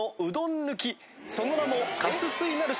その名も。